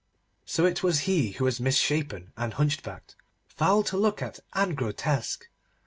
So it was he who was misshapen and hunchbacked, foul to look at and grotesque.